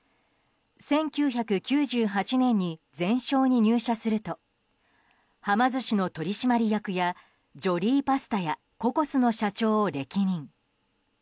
１９９８年にゼンショーに入社するとはま寿司の取締役やジョリーパスタやココスの社長を歴任。